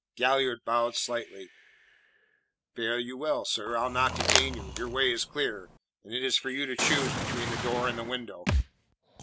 Galliard bowed slightly. "Fare you well, sir. I'll not detain you. Your way is clear, and it is for you to choose between the door and the window."